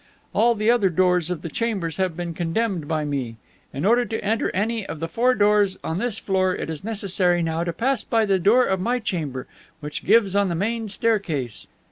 All the other doors of the chambers have been condemned by me. In order to enter any of the four rooms on this floor it is necessary now to pass by the door of my chamber, which gives on the main staircase."